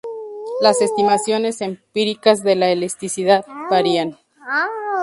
Las estimaciones empíricas de la elasticidad varían.